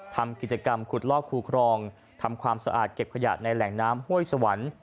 ทำกิจกรรมขุดลอกคูครองทำความสะอาดเก็บขยะในแหล่งน้ำห้วยสวรรค์